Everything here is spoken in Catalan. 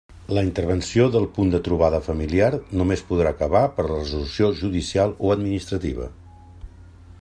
La intervenció del Punt de Trobada Familiar només podrà acabar per resolució judicial o administrativa.